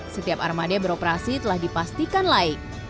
setiap armadai beroperasi telah dipastikan laik